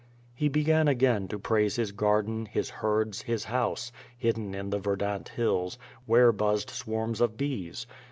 He began again to praise his garden, his herds, his house, hidden in the verdant hills, where buzzed swarms of bees.